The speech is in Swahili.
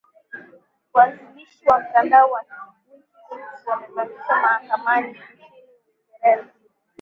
wanzilishi wa mtandao wa wikileaks apandishwa mahakamani nchini uingereza